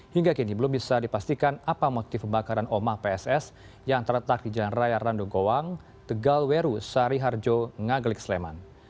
hingga kini belum bisa dipastikan apa motif pembakaran omah pss yang terletak di jalan raya rando goang tegalweru sari harjo ngagelik sleman